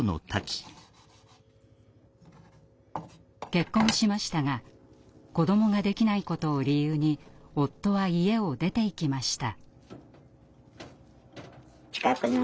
結婚しましたが子どもができないことを理由に夫は家を出ていきました。